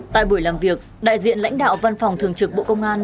tại buổi làm việc đại diện lãnh đạo văn phòng thường trực bộ công an